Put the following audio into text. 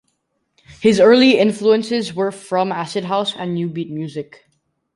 His early influences were from acid house and New Beat music.